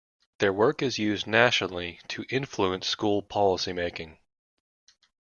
Their work is used nationally to influence school policy making.